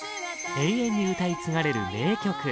永遠に歌い継がれる名曲